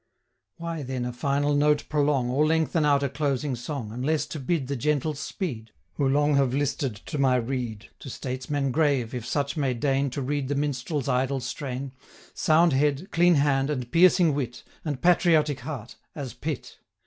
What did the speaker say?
Why then a final note prolong, Or lengthen out a closing song, Unless to bid the gentles speed, Who long have listed to my rede? To Statesmen grave, if such may deign 5 To read the Minstrel's idle strain, Sound head, clean hand, and piercing wit, And patriotic heart as PITT!